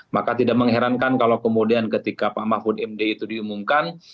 maka tidak mengherankan kalau kemudian ketika pak mahfud md itu diumumkan